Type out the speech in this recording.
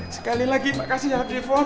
sekali lagi makasih ya devon